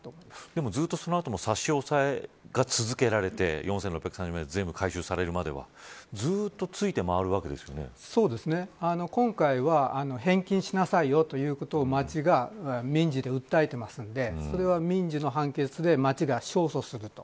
でもずっと、その後も差し押さえが続けられて４６３０万円が全部回収されるまでは今回は返金しなさいよということを町が民事で訴えているのでそれは民事の判決で町が勝訴すると。